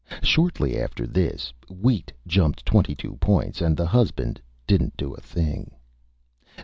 Shortly after this, Wheat jumped twenty two points, and the Husband didn't do a Thing.